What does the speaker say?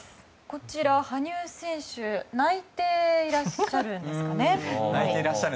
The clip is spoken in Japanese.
こちらは羽生選手泣いていらっしゃるんですかね。